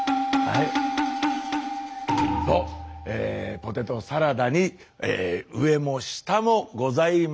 ポテトサラダに上も下もございません。